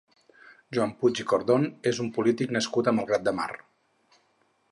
Joan Puig i Cordon és un polític nascut a Malgrat de Mar.